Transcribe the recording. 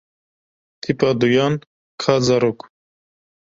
Tîpa duyan ka zarok.